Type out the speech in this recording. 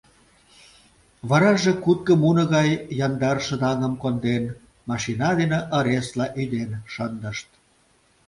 Вараже, кутко муно гай яндар шыдаҥым конден, машина дене ыресла ӱден шындышт.